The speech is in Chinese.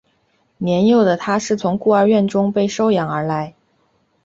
年幼的他是从孤儿院中被收养而来。